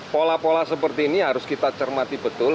pola pola seperti ini harus kita cermati betul